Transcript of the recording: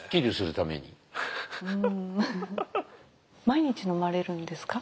毎日飲まれるんですか？